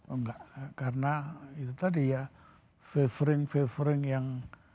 enggak karena itu tadi ya faveing favoring yang